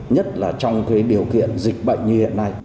nhất là trong điều kiện dịch bệnh như hiện nay